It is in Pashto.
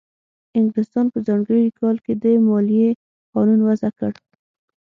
انګلستان په ځانګړي کال کې د مالیې قانون وضع کړ.